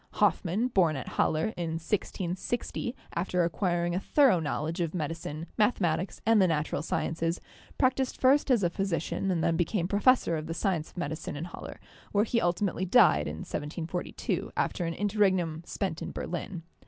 Hoffmann, born at Halle in 1660, after acquiring a thoro knowledge of medi cine, mathematics and the natural sciences, practised first as a physician and then became professor of the science of medicine in Halle, where he ultimately died in 1742, after an interregnum spent in Berlin.